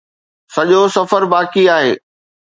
سڄو سفر باقي آهي